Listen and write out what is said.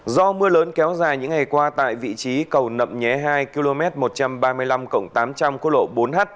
do mưa lớn kéo dài những ngày qua tại vị trí cầu nậm nhé hai km một trăm ba mươi năm tám trăm linh cô lộ bốn h